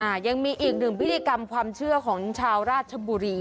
ยังมีอีกหนึ่งพิธีกรรมความเชื่อของชาวราชบุรี